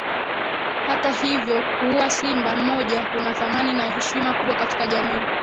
Hata hivyo kuua simba mmoja kuna thamani na heshima kubwa katika jamii